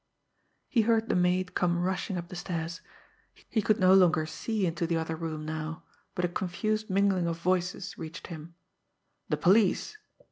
He heard the maid come rushing up the stairs. He could no longer see into the other room now, but a confused mingling of voices reached him: "... The police